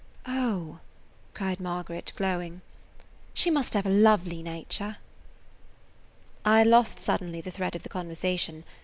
"Oh!" cried Margaret, glowing, "she must have a lovely nature!" I lost suddenly the thread of the conversation.